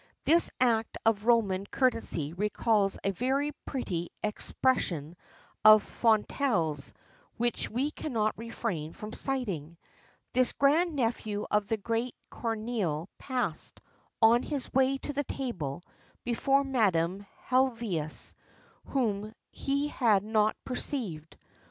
[XXXIV 11] This act of Roman courtesy recalls a very pretty expression of Fontenelle's, which we cannot refrain from citing. This grand nephew of the great Corneille passed, on his way to the table, before Madame Helvétius, whom he had not perceived.